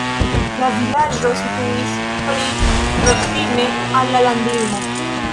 La vilaĝo situis pli proksime al la landlimo.